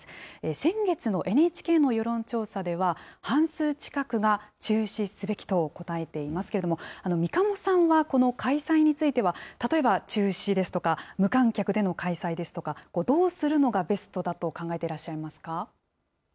先月のＮＨＫの世論調査では、半数近くが中止すべきと答えていますけれども、三鴨さんは開催については、例えば、中止ですとか、無観客での開催ですとか、どうするのがベストだと考えてらっしゃいますか？